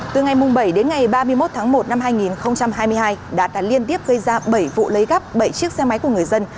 từ ngày bảy đến ngày ba mươi một tháng một năm hai nghìn hai mươi hai đã liên tiếp gây ra bảy vụ lấy gắp bảy chiếc xe máy của người dân